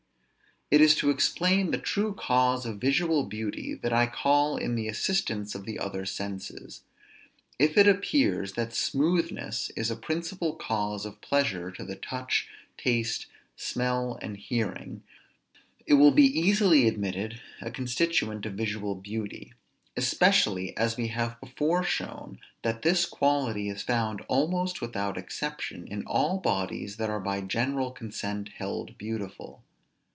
It is to explain the true cause of visual beauty that I call in the assistance of the other senses. If it appears that smoothness is a principal cause of pleasure to the touch, taste, smell, and hearing, it will be easily admitted a constituent of visual beauty; especially as we have before shown, that this quality is found almost without exception in all bodies that are by general consent held beautiful.